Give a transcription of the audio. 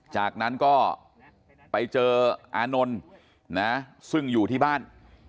จากนั้นก็ไปเจออานนท์นะซึ่งอยู่ที่บ้าน